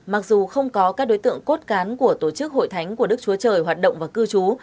mặc dù không có các đối tượng cốt cán của tổ chức hội thánh của đức chúa trời hoạt động và cư trú